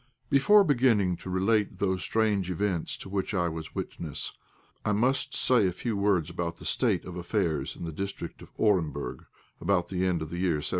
Before beginning to relate those strange events to which I was witness, I must say a few words about the state of affairs in the district of Orenburg about the end of the year 1773.